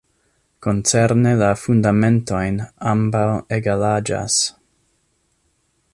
Koncerne la fundamentojn ambaŭ egalaĝas.